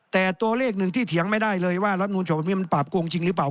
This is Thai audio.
แต่ตัวเลขหนึ่งที่เถียงไม่ได้เลยว่ารัฐมนูญฉบับนี้มันปราบโกงจริงหรือเปล่า